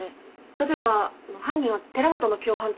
例えば犯人は寺本の共犯とか。